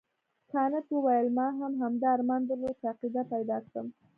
کانت وویل ما هم همدا ارمان درلود چې عقیده پیدا کړم.